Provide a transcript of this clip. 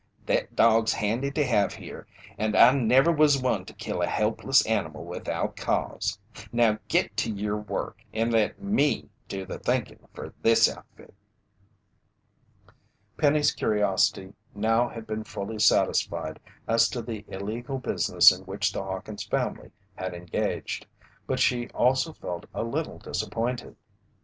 "Thet dog's handy to heve here, an I never was one to kill a helpless animal without cause. Now git to yer work, and let me do the thinkin' fer this outfit!" Penny's curiosity now had been fully satisfied as to the illegal business in which the Hawkins' family had engaged, but she also felt a little disappointed.